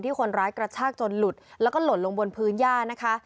คนร้ายกระชากจนหลุดแล้วก็หล่นลงบนพื้นย่านะคะ